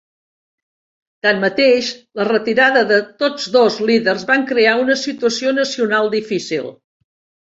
Tanmateix, la retirada de tots dos líders va crear una situació nacional difícil.